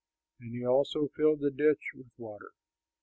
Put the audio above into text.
And he also filled the ditch with water.